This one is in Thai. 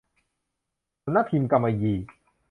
สำนักพิมพ์กำมะหยี่